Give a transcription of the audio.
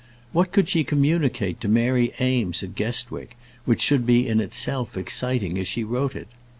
What could she communicate to Mary Eames at Guestwick, which should be in itself exciting as she wrote it?